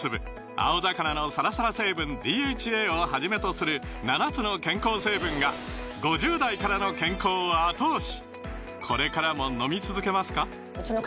青魚のサラサラ成分ＤＨＡをはじめとする７つの健康成分が５０代からの健康を後押し！